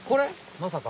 まさか。